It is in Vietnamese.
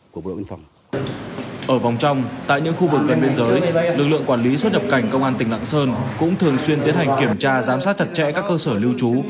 cảnh công an tỉnh lạng sơn cũng thường xuyên tiến hành kiểm tra giám sát chặt chẽ các cơ sở lưu trú